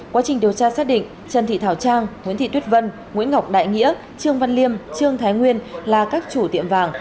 quá trình điều tra xác định trần thị thảo trang nguyễn thị tuyết vân nguyễn ngọc đại nghĩa trương văn liêm trương thái nguyên là các chủ tiệm vàng